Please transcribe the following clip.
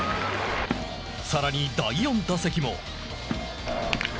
さらに第４打席も。